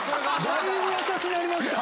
だいぶ優しなりましたね。